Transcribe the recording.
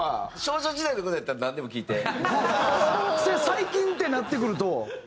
最近ってなってくると？